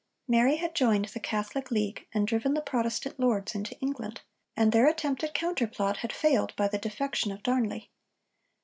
Mary had joined the Catholic League and driven the Protestant Lords into England, and their attempted counter plot had failed by the defection of Darnley.